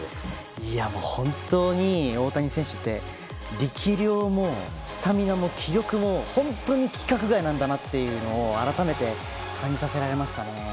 本当に大谷選手って力量もスタミナも気力も本当に規格外なんだなというのを改めて感じさせられましたね。